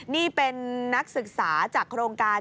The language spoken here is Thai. นี่เป็นนักศึกษาจากโครงการ